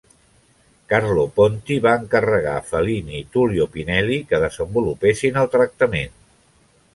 Carlo Ponti va encarregar a Fellini i Tullio Pinelli que desenvolupessin el tractament.